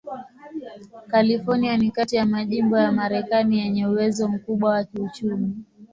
California ni kati ya majimbo ya Marekani yenye uwezo mkubwa wa kiuchumi.